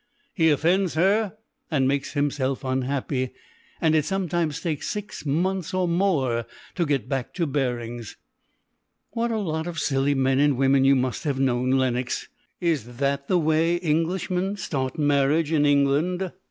He offends her and makes himself unhappy, and it sometimes takes six months or more to get back to bearings." "What a lot of silly men and women you must have known, Lenox. Is that the way Englishmen start marriage in England?